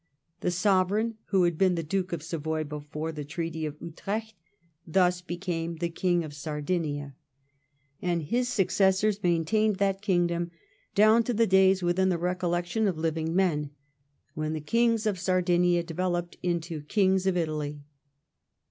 The Sovereign who had been Duke of Savoy before the Treaty of Utrecht, thus became King of Sardinia, 1713 THE PRINCIPALITY OF ORANGE. 133 and his successors maintained that kingdom down to the days, within the recollection of living men, when the Kings of Sardinia developed into Kings of Italy.